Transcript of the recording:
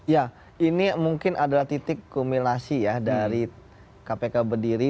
ya ini mungkin adalah titik kumulasi ya dari kpk berdiri